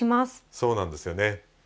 そうなんですよね。